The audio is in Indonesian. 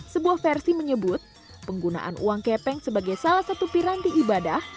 sebuah versi menyebut penggunaan uang kepeng sebagai salah satu piranti ibadah